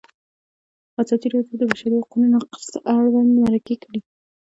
ازادي راډیو د د بشري حقونو نقض اړوند مرکې کړي.